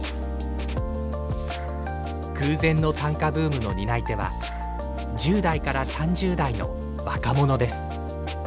空前の短歌ブームの担い手は１０代から３０代の若者です。